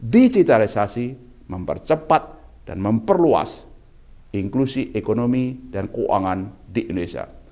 digitalisasi mempercepat dan memperluas inklusi ekonomi dan keuangan di indonesia